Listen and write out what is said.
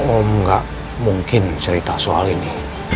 om nggak mungkin cerita soal ini